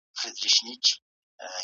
ایا ځايي کروندګر بادام پروسس کوي؟